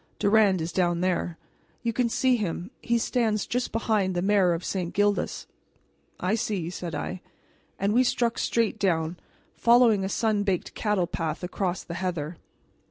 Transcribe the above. "Durand is down there you can see him; he stands just behind the mayor of St. Gildas." "I see," said I; and we struck straight down, following a sun baked cattle path across the heather.